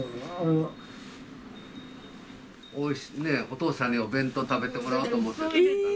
お父さんにお弁当食べてもらおうと思って。